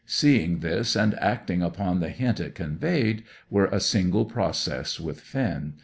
Seeing this, and acting upon the hint it conveyed, were a single process with Finn.